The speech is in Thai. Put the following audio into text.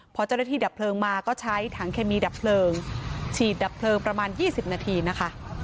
พอเจ้าหน้าที่ดับเพลิงมาก็ใช้ถังเคมีดับเพลิงฉีดดับเพลิงประมาณ๒๐นาทีนะคะ